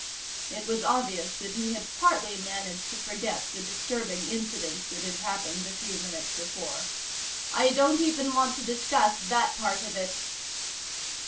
It was obvious that he had partly managed to forget the disturbing incidents that had happened a few minutes before. "I don't even want to discuss that part of it."